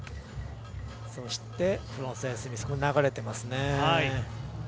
そしてフロントサイドスミス、流れていますね。